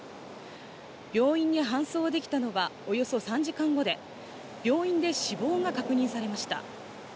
病院に搬送できたのはおよそ３時間後で、病院で死亡が確認されました。